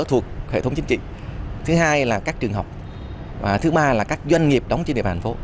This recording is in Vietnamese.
thuộc hệ thống chính trị thứ hai là các trường học và thứ ba là các doanh nghiệp đóng trên địa bàn thành phố